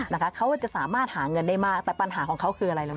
นะคะเขาจะสามารถหาเงินได้มากแต่ปัญหาของเขาคืออะไรรู้ไหม